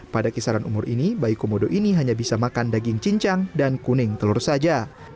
pada kisaran umur ini bayi komodo ini hanya bisa makan daging cincang dan kuning telur saja